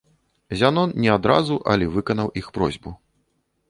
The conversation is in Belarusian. Зянон не адразу, але выканаў іх просьбу.